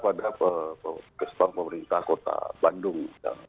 pada kesepak pemerintah kota bandung